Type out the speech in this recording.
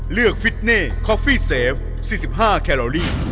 ฟิตเน่คอฟฟี่เซฟ๔๕แคลอรี่